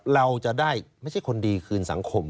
เราจะได้ไม่ใช่คนดีคืนสังคม